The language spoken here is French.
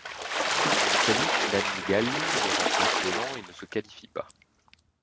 En Italie, Nanni Galli le remplace volant et ne se qualifie pas.